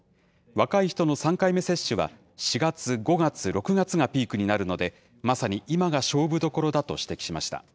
若い人の３回目接種は４月、５月、６月がピークになるので、まさに今が勝負どころだと指摘しました。